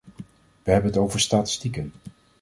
We hebben het over statistieken.